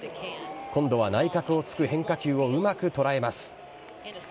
今度は内角をつく変化球をうまく捉えます。